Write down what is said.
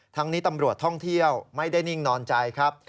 นี้ตำรวจท่องเที่ยวไม่ได้นิ่งนอนใจครับ